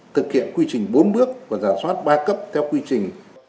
thực hiện quy trình bốn bước và giả soát ba cấp theo quy trình